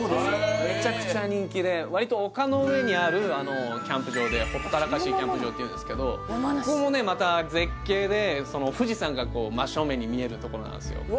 めちゃくちゃ人気で割と丘の上にあるキャンプ場でほったらかしキャンプ場っていうんですけどここもまた絶景で富士山が真正面に見えるところなんすよ